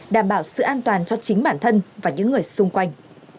đảm bảo sự an toàn cho chính bản thân và những người xung quanh